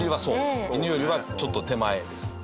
堤：犬よりはちょっと手前ですね。